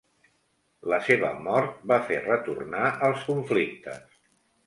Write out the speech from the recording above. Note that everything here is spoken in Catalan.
La seva mort va fer retornar els conflictes.